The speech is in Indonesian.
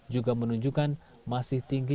juga menunjukkan masih tinggi